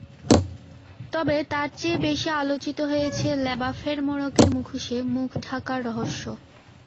তবে তার চেয়ে বেশি আলোচিত হয়েছে ল্যাবাফের মোড়কের মুখোশে মুখ ঢাকার রহস্য।